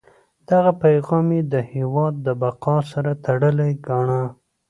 دغه پیغام یې د هیواد د بقا سره تړلی ګاڼه.